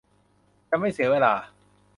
จะไม่เสียเวลา